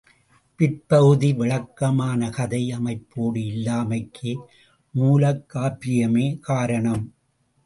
பிற்பகுதி விளக்கமான கதை அமைப்போடு இல்லாமைக்கு மூலக்காப்பியமே காரணம்.